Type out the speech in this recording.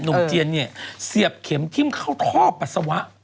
หนุ่มจีนเสียบเข็มทิ้งเข้าท่อปัสสาวะ